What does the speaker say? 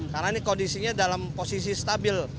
karena ini kondisinya dalam posisi stabil